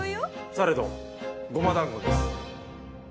されど胡麻団子です。